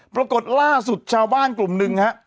ปรากฏล่าสุดชาวบ้านกลุ่มหนึ่งฮะ